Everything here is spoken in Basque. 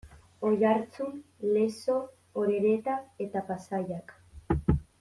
Oiartzun, Lezo, Orereta eta Pasaiak.